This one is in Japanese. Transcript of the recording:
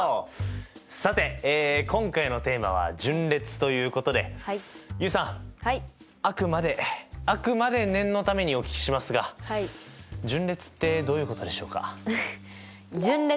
さて今回のテーマは「順列」ということで結衣さんあくまであくまで念のためにお聞きしますが順列ってどういうことでしょうか？